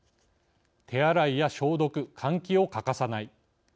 手洗いや消毒、換気を欠かさない。